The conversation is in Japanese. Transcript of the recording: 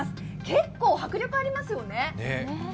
結構、迫力ありますよね。